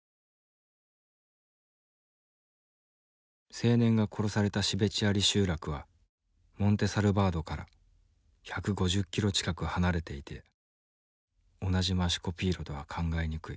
青年が殺されたシベチアリ集落はモンテ・サルバードから１５０キロ近く離れていて同じマシュコピーロとは考えにくい。